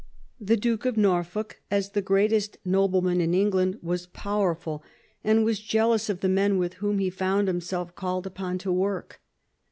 The Duke of Norfolk, as the greatest nobleman in England, was powerful, and was jealous of the men with whom he found himself called upon to work.